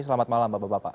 selamat malam bapak bapak